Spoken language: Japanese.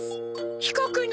被告人！